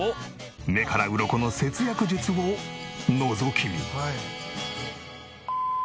目からうろこの節約術をのぞき見。